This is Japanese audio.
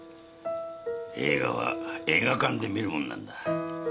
映画は映画館で観るもんなんだ。